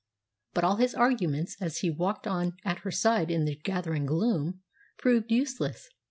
But all his arguments, as he walked on at her side in the gathering gloom, proved useless.